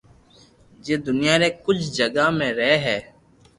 جي دنيا ري ڪجھ جگہ مي رھي ھي